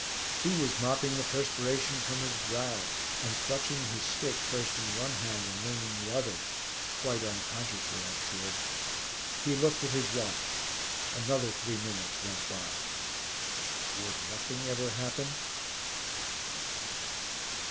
He was mopping the perspiration from his brow, and clutching his stick, first in one hand then in the other quite unconsciously, I am sure. He looked at his watch. Another three minutes went by. Would nothing ever happen?